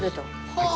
はあ！